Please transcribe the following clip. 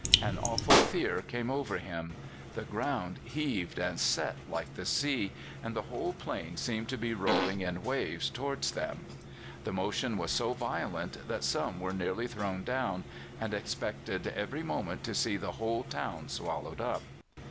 An awful fear came over him. The ground heaved and set like the sea, and the whole plain seemed to be rolling in waves towards them. The motion was so violent that some were nearly thrown down, and expected every moment to see the whole town swallowed up.